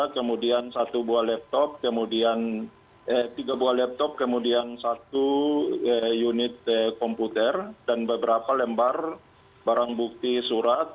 kemudian tiga buah laptop kemudian satu unit komputer dan beberapa lembar barang bukti surat